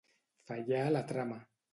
Fallar la trama.